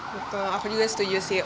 betul aku juga setuju sih